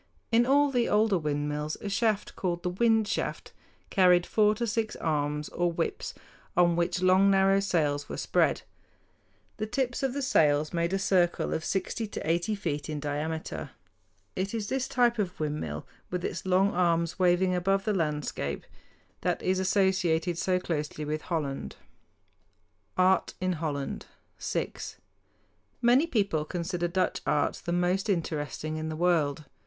In all the older windmills a shaft called the wind shaft carried four to six arms or whips, on which long, narrow sails were spread. The tips of the sails made a circle of sixty to eighty feet in diameter. It is this type of windmill, with its long arms waving above the landscape, that is associated so closely with Holland. [Illustration: RYKS MUSEUM, AMSTERDAM] HOLLAND Art in Holland SIX Many people consider Dutch art the most interesting in the world.